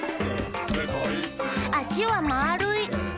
「あしはまるい！」